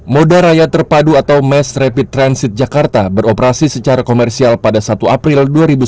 moda raya terpadu atau mass rapid transit jakarta beroperasi secara komersial pada satu april dua ribu sembilan belas